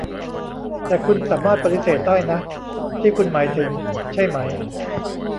แต่คุณสามารถปฏิเสธได้นะ ที่คุณหมายถึง ใช่ไหม